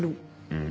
うん。